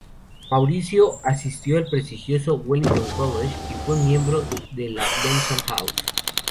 Mauricio asistió al prestigioso Wellington College y fue miembro de la Benson House.